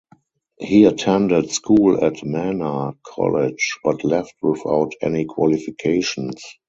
He attended school at Mana College but left without any qualifications.